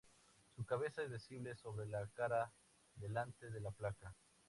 Su cabeza es visible sobre la cara delante de la placa.